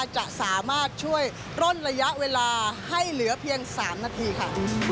จะสามารถช่วยร่นระยะเวลาให้เหลือเพียง๓นาทีค่ะ